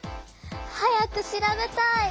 早く調べたい。